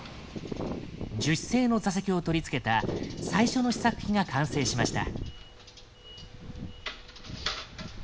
樹脂製の座席を取り付けた最初の試作機が完成しました。